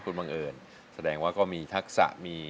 และมีทักสะ